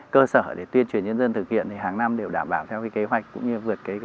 cơ sở để tuyên truyền nhân dân thực hiện thì hàng năm đều đảm bảo theo kế hoạch cũng như vượt kế hoạch